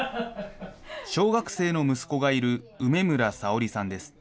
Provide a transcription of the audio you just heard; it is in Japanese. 小学生の息子がいる梅村小織さんです。